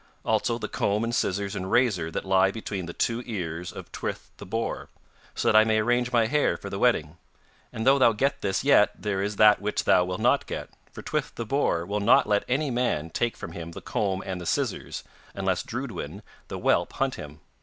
Also the comb and scissors and razor that lie between the two ears of Trwyth the boar, so that I may arrange my hair for the wedding. And though thou get this yet there is that which thou wilt not get, for Trwyth the boar will not let any man take from him the comb and the scissors, unless Drudwyn the whelp hunt him.